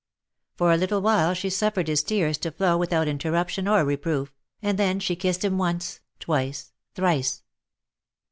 For a little while she suffered his tears to flow without interrup tion or reproof, and then she kissed him once, twice, thrice.